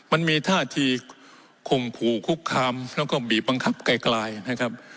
มันมีท่าทีข่มขู่คุกคามแล้วก็บีบบังคับไกลนะครับ